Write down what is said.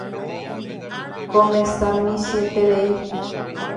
Ko mesa michĩeterei.